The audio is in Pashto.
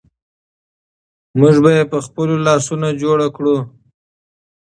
موږ به یې په خپلو لاسونو جوړ کړو.